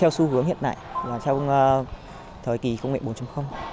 đó là xu hướng hiện tại trong thời kỳ công nghệ bốn